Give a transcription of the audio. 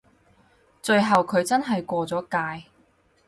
最後佢真係過咗界